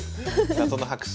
謎の拍手。